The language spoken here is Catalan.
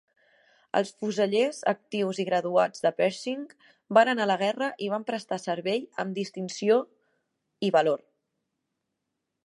Els fusellers actius i graduats de Pershing van anar a la guerra i van prestar servei amb distinció i valor.